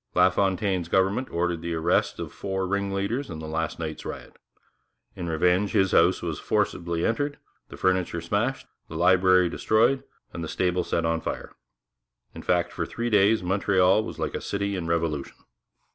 LaFontaine's government ordered the arrest of four ringleaders in the last night's riot. In revenge his house was entered forcibly, the furniture smashed, the library destroyed, and the stable set on fire. In fact, for three days Montreal was like a city in revolution.